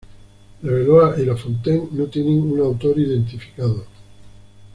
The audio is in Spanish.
Rabelais y La Fontaine no tienen un autor identificado.